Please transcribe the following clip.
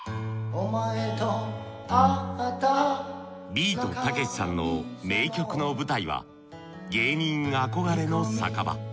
ビートたけしさんの名曲の舞台は芸人憧れの酒場。